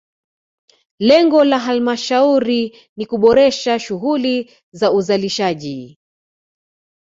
Lengo la halmashauri ni kuboresha shughuli za uzalishaji